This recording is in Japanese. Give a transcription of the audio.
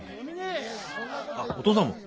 あっお父さんも。